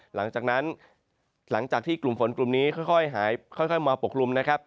หลังจากนั้นหลังจากที่กลุ่มฝนกลุ่มนี้ค่อยมาปกคลุมนะครับ